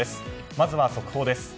まずは速報です。